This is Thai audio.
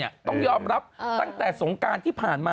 อยากกันเยี่ยม